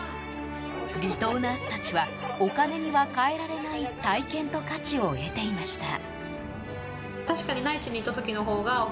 離島ナースたちはお金には代えられない体験と価値を得ていました。